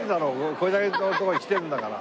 これだけのとこに来てるんだから。